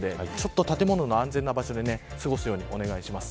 建物の安全な場所で過ごすようにお願いします。